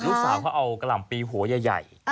ลูกสาวเขาเอากะหล่ำปีหัวใหญ่